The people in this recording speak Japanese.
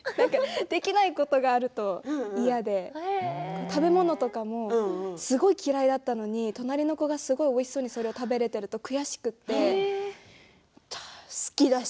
できないことがあると嫌で食べ物とかもすごく嫌いだったのに隣の子がすごくおいしそうにそれを食べられていると悔しくて好きだし！